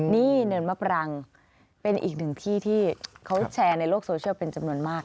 นี่เนินมะปรังเป็นอีกหนึ่งที่ที่เขาแชร์ในโลกโซเชียลเป็นจำนวนมาก